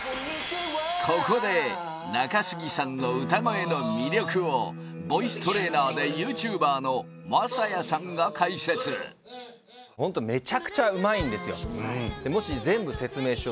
ここで中杉さんの歌声の魅力をボイストレーナーでＹｏｕＴｕｂｅｒのＭＡＳＡＹＡＨさんが解説ホントめちゃくちゃうまいんですよ